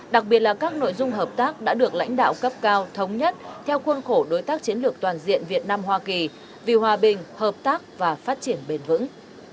đặc biệt là các nội dung hợp tác đã được lãnh đạo cấp cao thống nhất theo khuôn khổ đối tác chiến lược toàn diện việt nam hoa kỳ vì hòa bình hợp tác và phát triển bền vững